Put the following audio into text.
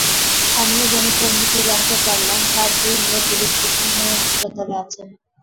স্থানীয় জনতার মুখে জানতে পারলাম, তাঁর দুই মেয়ে বুলেটবিদ্ধ হয়ে হাসপাতালে আছেন।